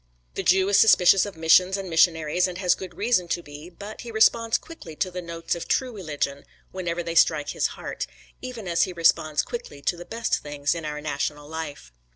The Jew is suspicious of missions and missionaries and has good reason to be, but he responds quickly to the notes of true religion whenever they strike his heart; even as he responds quickly to the best things in our national life.